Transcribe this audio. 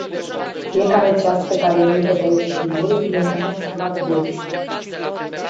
Fiecare ceas pe care nu-l petreci singur e un ceasfurat vieții.